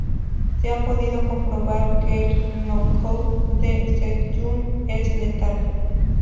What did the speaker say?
Se ha podido comprobar que el knockout de "c-jun" es letal.